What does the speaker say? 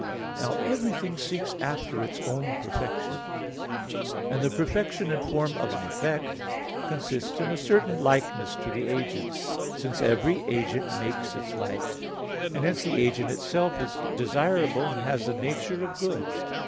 Now everything seeks after its own perfection; and the perfection and form of an effect consist in a certain likeness to the agent, since every agent makes its like; and hence the agent itself is desirable and has the nature of good.